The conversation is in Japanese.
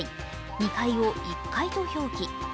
２階を１階と表記。